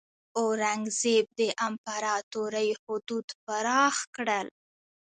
اورنګزیب د امپراتورۍ حدود پراخ کړل.